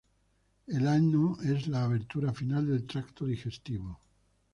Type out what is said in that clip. El ano es la abertura final del tracto digestivo.